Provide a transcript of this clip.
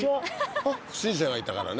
不審者がいたからね。